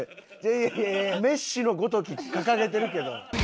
いやいやいやメッシのごとき掲げてるけど。